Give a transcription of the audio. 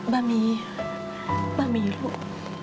ไม่มีไม่มีลูก